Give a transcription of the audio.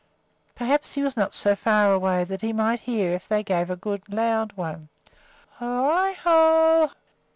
Perhaps he was not so far away but that he might hear if they gave a good loud one. "Ho i ho!"